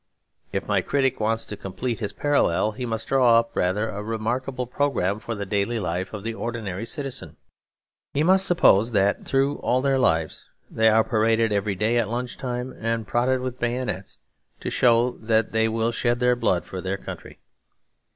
If my critic wants to complete his parallel, he must draw up rather a remarkable programme for the daily life of the ordinary citizens. He must suppose that, through all their lives, they are paraded every day at lunch time and prodded with bayonets to show that they will shed their blood for their country.